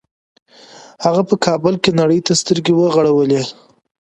هغه په کابل کې نړۍ ته سترګې وغړولې